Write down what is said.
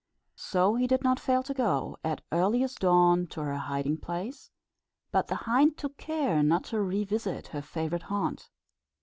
So he did not fail to go, at earliest dawn, to her hiding place; but the hind took care not to re visit her favourite haunt.